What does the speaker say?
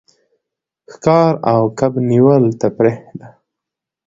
ښکار او کب نیول تفریح ده.